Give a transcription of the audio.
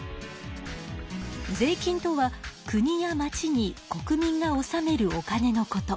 税金とは国や町に国民がおさめるお金のこと。